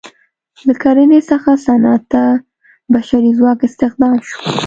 له کرنې څخه صنعت ته بشري ځواک استخدام شو.